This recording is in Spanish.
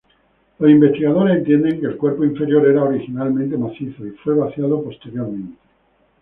Los investigadores entienden que el cuerpo inferior era originalmente macizo, y fue vaciado posteriormente.